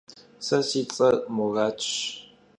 Se si ts'er Muratş.